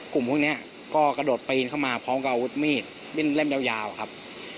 กลุ่มพวกนี้ก็กระโดดปีนเข้ามาพร้อมกับอาวุธมีดเล่มยาวครับ